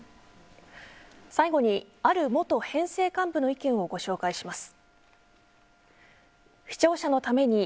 最後に、ある元編成幹部の意見をご紹介します。